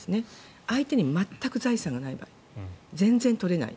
相手に全く財産がない場合全然取れない。